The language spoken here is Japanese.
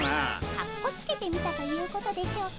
かっこつけてみたということでしょうか。